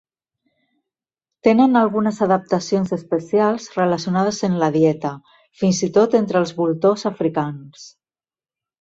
Tenen algunes adaptacions especials relacionades en la dieta, fins i tot entre els voltors africans.